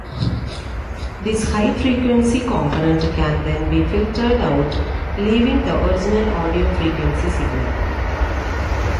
This high-frequency component can then be filtered out, leaving the original audio frequency signal.